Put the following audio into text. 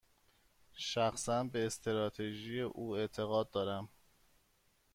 شخصا، به استراتژی او اعتقاد دارم.